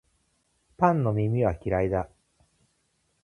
パンの耳は嫌いだ